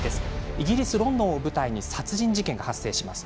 イギリス・ロンドンを舞台に殺人事件が発生します。